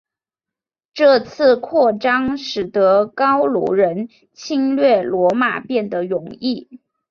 这次扩张使得高卢人侵略罗马变得容易。